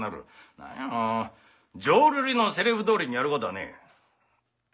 なにも浄瑠璃のセリフどおりにやることはねえ。